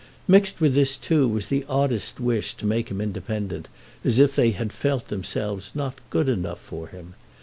Mixed with this too was the oddest wish to make him independent, as if they had felt themselves not good enough for him.